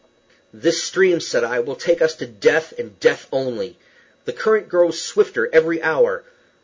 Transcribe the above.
"This stream," said I, "will take us to death, and death only. The current grows swifter every hour.